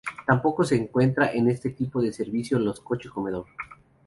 Tampoco se encuentra en este tipo de servicio los coches-comedor.